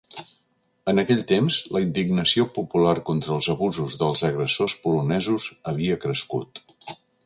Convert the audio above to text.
En aquell temps, la indignació popular contra els abusos dels agressors polonesos havia crescut.